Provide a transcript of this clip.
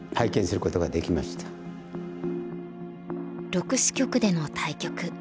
６子局での対局。